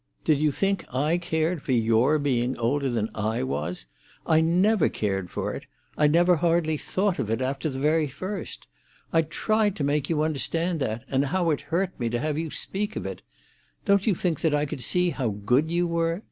Did you think I cared for your being older than I was? I never cared for it—I never hardly thought of it after the very first. I tried to make you understand that, and how it hurt me to have you speak of it. Don't you think that I could see how good you were?